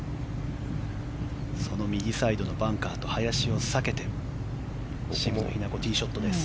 その右サイドのバンカーと林を避けて渋野日向子ティーショットです。